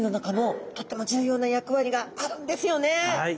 はい。